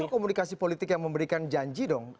itu komunikasi politik yang memberikan janji dong